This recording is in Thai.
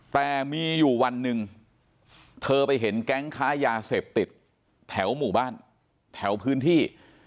แต่มีอยู่วันหนึ่งเธอไปเห็นแก๊งค้ายาเสพติดแถวหมู่บ้านแถวพื้นที่